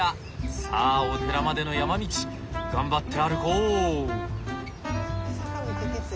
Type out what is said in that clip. さあお寺までの山道頑張って歩こう。